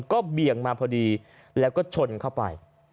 ก็เบี่ยงมาพอดีแล้วก็ชนเข้าไป